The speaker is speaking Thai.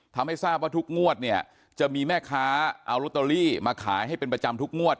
ทำให้ทราบว่าทุกงวดเนี่ยจะมีแม่ค้าเอาลอตเตอรี่มาขายให้เป็นประจำทุกงวด